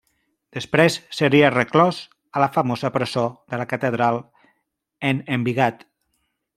Després seria reclòs a la famosa Presó de la Catedral en Embigat.